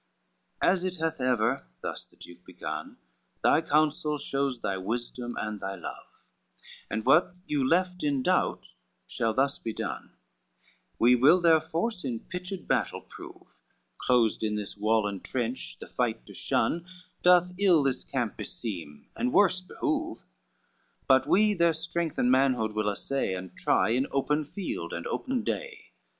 CXXX "As it hath ever," thus the Duke begun, "Thy counsel shows thy wisdom and thy love, And what you left in doubt shall thus be done, We will their force in pitched battle prove; Closed in this wall and trench, the fight to shun, Doth ill this camp beseem, and worse behove, But we their strength and manhood will assay, And try, in open field and open day.